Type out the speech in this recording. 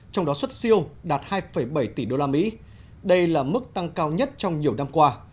trong đó xuất siêu đạt hai bảy tỷ usd đây là mức tăng cao nhất trong nhiều năm qua